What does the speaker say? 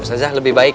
ustazah lebih baik